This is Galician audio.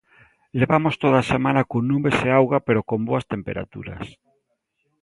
Levamos toda a semana con nubes e auga pero con boas temperaturas.